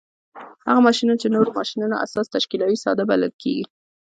هغه ماشینونه چې د نورو ماشینونو اساس تشکیلوي ساده بلل کیږي.